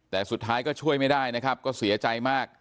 แต่สุดท้ายก็ช่วยไม่ได้นะครับก็เสียใจมาก